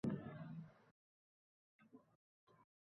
Ruhi — oliy ruh emish.